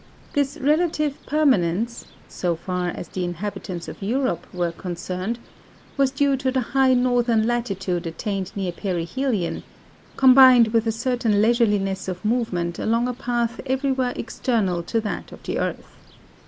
This relative permanence (so far as the inhabitants of Europe were concerned) was due to the high northern latitude attained near perihelion, combined with a certain leisureliness of movement along a path everywhere external to that of the earth.